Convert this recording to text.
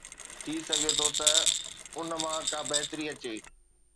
ٿي سگهي ٿو ته ان مان ڪا بهتري اچي.